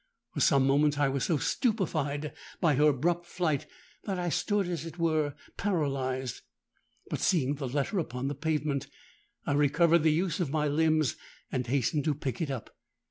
For some moments I was so stupefied by her abrupt flight, that I stood as it were paralyzed. But seeing the letter upon the pavement, I recovered the use of my limbs, and hastened to pick it up.